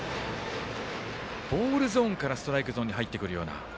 ボールゾーンからストライクゾーンに入ってくるような。